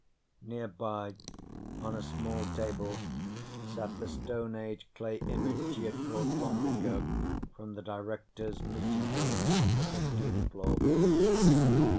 Nearby, on a small table, sat the Stone Age clay image he had brought long ago from the Directors' meeting room on the fifteenth floor.